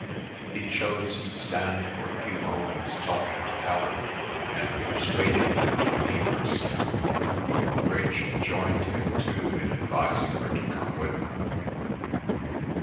He chose to stand for a few moments talking to Helen, and persuading her to leave her seat. Rachel joined him too in advising her to come with them.